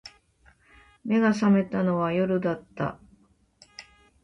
眼が覚めたのは夜だった